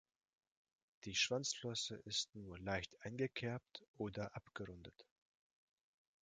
Die Schwanzflosse ist nur leicht eingekerbt oder abgerundet.